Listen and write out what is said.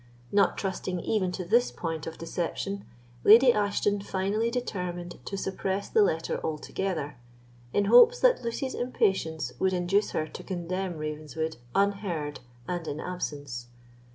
Not trusting even to this point of deception, Lady Ashton finally determined to suppress the letter altogether, in hopes that Lucy's impatience would induce her to condemn Ravenswood unheard and in absence.